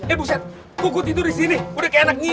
eh buset gue tidur disini udah kayak anaknya